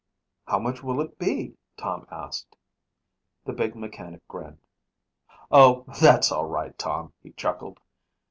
"How much will it be?" Tom asked. The big mechanic grinned. "Oh, that's all right, Tom," he chuckled.